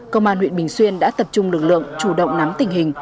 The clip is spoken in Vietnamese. công an huyện bình xuyên đã tập trung lực lượng chủ động nắm tình hình